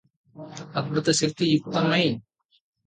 అద్భుతశక్తియుక్తమై